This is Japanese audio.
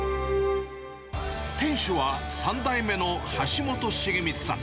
店主は、３代目の橋本重光さん。